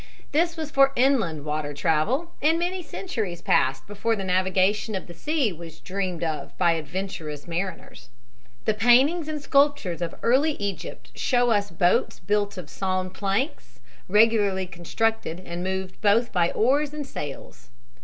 This was for inland water travel, and many centuries passed before the navigation of the sea was dreamed of by adventurous mariners. The paintings and sculptures of early Egypt show us boats built of sawn planks, regularly constructed and moved both by oars and sails.